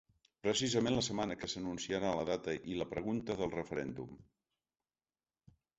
Precisament la setmana que s’anunciarà la data i la pregunta del referèndum.